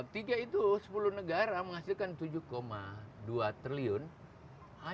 tiga itu sepuluh negara menghasilkan tujuh dua triliun hanya dalam tiga hari